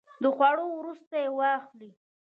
د خوړو وروسته یی واخلئ